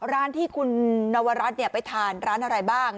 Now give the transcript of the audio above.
ร้านที่คุณนวรัฐไปทานร้านอะไรบ้าง